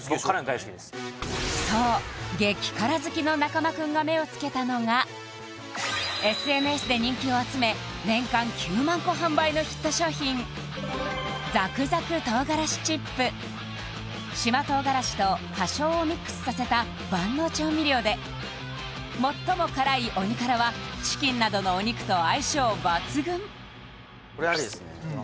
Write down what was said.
そう激辛好きの中間くんが目をつけたのがＳＮＳで人気を集め年間９万個販売のヒット商品ザクザク島辛旨チップ島唐辛子と花椒をミックスさせた万能調味料で最も辛いおにからはチキンなどのお肉と相性抜群・これアリですね